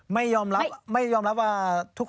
ไม่ยอมรับว่าทุกข้อ